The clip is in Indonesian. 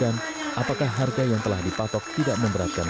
nah buat bayar lima ratus itu kontrakan